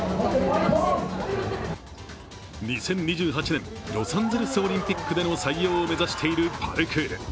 ２０２８年、ロサンゼルスオリンピックでの採用を目指しているパルクール。